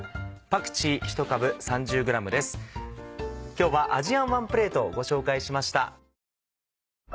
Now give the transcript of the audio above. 今日は「アジアンワンプレート」をご紹介しました。